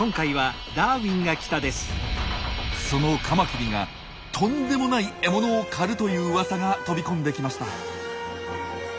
そのカマキリがとんでもない獲物を狩るといううわさが飛び込んできました。